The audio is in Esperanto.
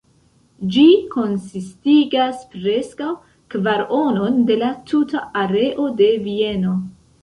Ĝi konsistigas preskaŭ kvaronon de la tuta areo de Vieno.